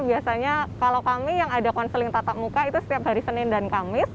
biasanya kalau kami yang ada konseling tatap muka itu setiap hari senin dan kamis